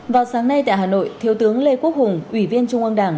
vào sáng nay tại hà nội thiếu tướng lê quốc hùng ủy viên trung ương đảng